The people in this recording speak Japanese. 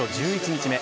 １１日目。